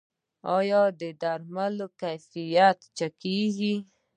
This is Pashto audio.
آیا د درملو کیفیت چک کیږي؟